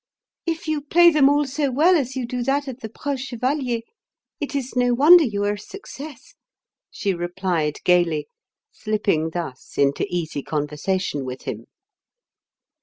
"If you play them all so well as you do that of the preux chevalier, it is no wonder you are a success," she replied gaily, slipping thus into easy conversation with him.